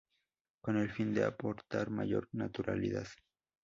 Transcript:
Con el fin de aportar mayor naturalidad